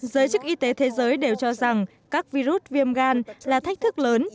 giới chức y tế thế giới đều cho rằng các virus viêm gan là thách thức lớn